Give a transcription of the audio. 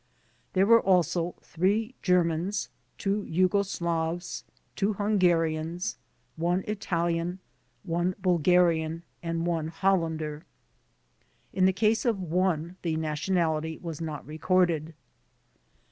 There were also 3 Germans, 2 Jugo Slavs, 2 Htmgarians, 1 Italian, 1 Bulgarian and 1 Hollander.* In the case of one the nationality was not recorded.